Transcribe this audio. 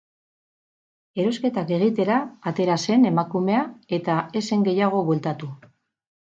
Erosketak egitera atera zen emakumea eta ez zen gehiago bueltatu.